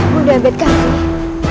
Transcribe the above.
bunda ambil kasih